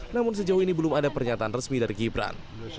namun sejauh ini belum ada pernyataan resmi dari gibran